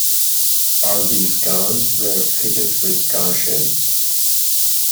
All these guns were fitted with gun shields.